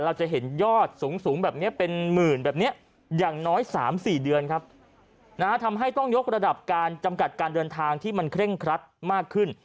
เราจะเห็นยอดสูงแบบนี้เป็นหมื่นแบบนี้อย่างน้อย๓๔เดือนครับทำให้ต้องยกระดับการจำกัดการเดินทางที่มันเคร่งครัดมากขึ้น